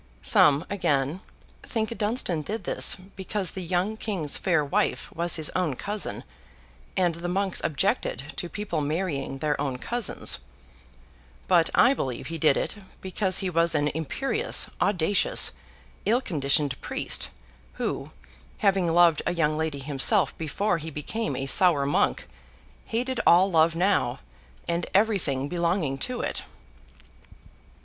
Some, again, think Dunstan did this because the young King's fair wife was his own cousin, and the monks objected to people marrying their own cousins; but I believe he did it, because he was an imperious, audacious, ill conditioned priest, who, having loved a young lady himself before he became a sour monk, hated all love now, and everything belonging to it.